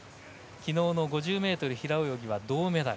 昨日の５０ｍ平泳ぎは銅メダル。